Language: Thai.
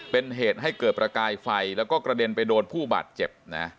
เป็นเหตุให้เกิดประกายไฟแล้วก็กระเด็นไปโดนผู้บาดเจ็บนะ